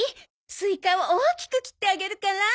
スイカを大きく切ってあげるから。